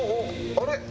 あれ？